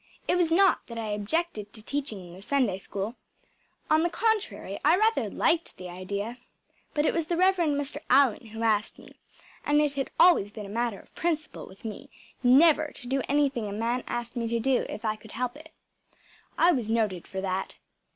It was not that I objected to teaching in the Sunday School. On the contrary I rather liked the idea; but it was the Rev. Mr. Allan who asked me, and it had always been a matter of principle with me never to do anything a man asked me to do if I could help it. I was noted for that.